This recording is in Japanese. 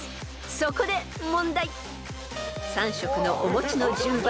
［そこで問題］